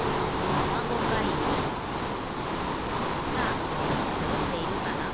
さあぜんいんそろっているかな？